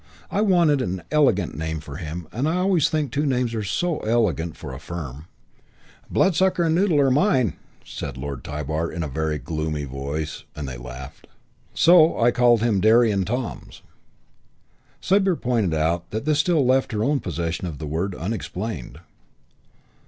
"I wanted an elegant name for him and I always think two names are so elegant for a firm " "Bloodsucker and Noodle are mine," said Lord Tybar in a very gloomy voice; and they laughed. " So I called him Derry and Toms." Sabre pointed out that this still left her own possession of the word unexplained.